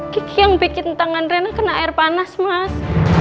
kiki yang bikin tangan rena kena air panas mas